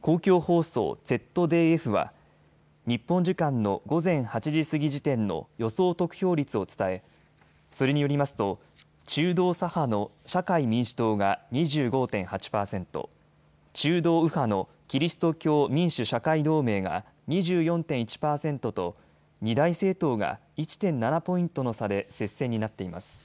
公共放送ＺＤＦは日本時間の午前８時過ぎ時点の予想得票率を伝えそれによりますと中道左派の社会民主党が２５．８％、中道右派のキリスト教民主・社会同盟が２４．１％と二大政党が１．７ポイントの差で接戦になっています。